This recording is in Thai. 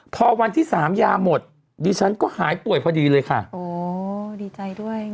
พอวันที่สามยาหมดดิฉันก็หายป่วยพอดีเลยค่ะโอ้ดีใจด้วย